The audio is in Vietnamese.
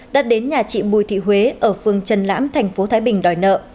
đã đến nhà chị bùi thị huế ở phường trần lãm thành phố thái bình đòi nợ